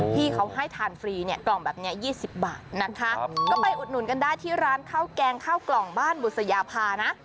ที่เขาให้ทานฟรีเนี่ยกล่องแบบนี้๒๐บาทนะคะก็ไปอุดหนุนกันได้ที่ร้านข้าวแกงข้าวกล่องบ้านบุษยาภานะ